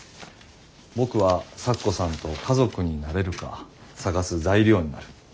僕は咲子さんと家族になれるか探す材料になる。